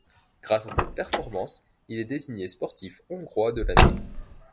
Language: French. Grâce à cette performance, il est désigné sportif hongrois de l'année.